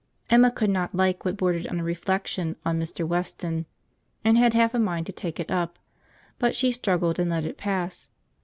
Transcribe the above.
Emma could not like what bordered on a reflection on Mr. Weston, and had half a mind to take it up; but she struggled, and let it pass.